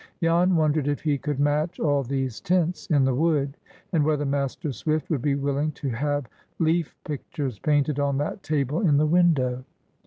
Jan wondered if he could match all these tints in the wood, and whether Master Swift would be willing to have leaf pictures painted on that table in the window.